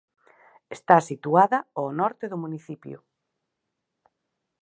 Está situada ao norte do municipio.